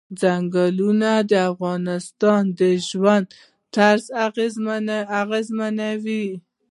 ځنګلونه د افغانانو د ژوند طرز اغېزمنوي.